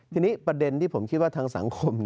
ทีนี้ประเด็นที่ผมคิดว่าทางสังคม